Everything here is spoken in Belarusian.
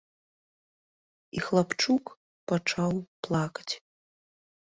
І хлапчук пачаў плакаць.